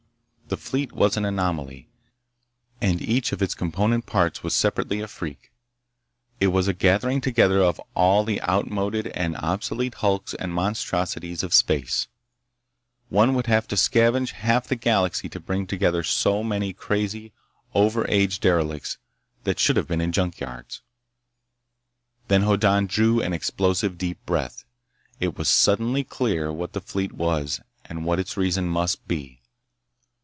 The fleet was an anomaly, and each of its component parts was separately a freak. It was a gathering together of all the outmoded and obsolete hulks and monstrosities of space. One would have to scavenge half the galaxy to bring together so many crazy, over age derelicts that should have been in junk yards. Then Hoddan drew an explosive deep breath. It was suddenly clear what the fleet was and what its reason must be.